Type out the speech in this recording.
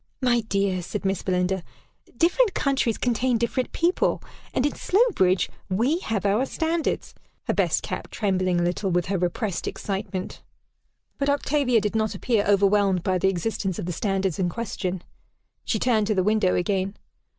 "My dear," said Miss Belinda, "different countries contain different people; and in Slowbridge we have our standards," her best cap trembling a little with her repressed excitement. But Octavia did not appear overwhelmed by the existence of the standards in question. She turned to the window again.